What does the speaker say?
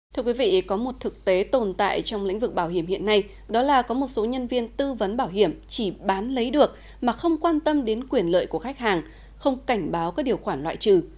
thưa quý vị có một thực tế tồn tại trong lĩnh vực bảo hiểm hiện nay đó là có một số nhân viên tư vấn bảo hiểm chỉ bán lấy được mà không quan tâm đến quyền lợi của khách hàng không cảnh báo các điều khoản loại trừ